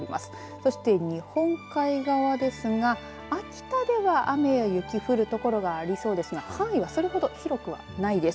そして日本海側ですが秋田では雨や雪降る所がありそうですが範囲がそれほど広くはないです。